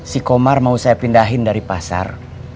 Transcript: si komar mau saya pindahin dari pasar